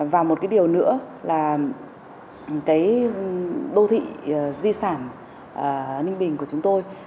và một điều nữa là đô thị di sản ninh bình của chúng tôi